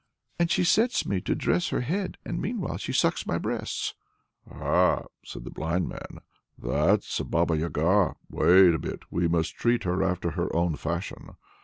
And she sets me to dress her head, and meanwhile she sucks my breasts." "Ah!" says the blind man, "that's a Baba Yaga. Wait a bit; we must treat her after her own fashion.